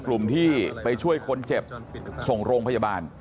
กลุ่มที่ไปช่วยคนเจ็บส่งโรงพยาบาล